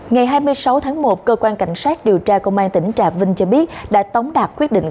ngày hai mươi sáu tháng một cơ quan cảnh sát điều tra công an tỉnh trà vinh cho biết đã tống đạt quyết định